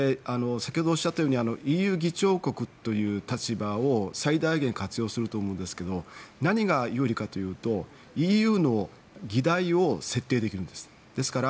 先ほどおっしゃったようにＥＵ議長国という立場を最大限活用するということですけど何が有利かというとＥＵの議題を設定できるんです。